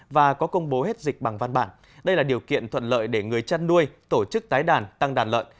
và có công bố hết dịch bằng văn bản đây là điều kiện thuận lợi để người chăn nuôi tổ chức tái đàn tăng đàn lợn